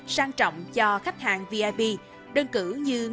sang trọng cho khách hàng vip đơn cử như ngân hàng